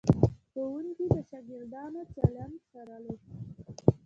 ښوونکي د شاګردانو چلند څارلو.